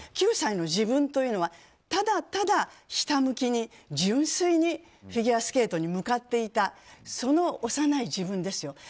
９歳の自分というのはただただ、ひたむきに純粋にフィギュアスケートに向かっていたその幼い自分ですよ。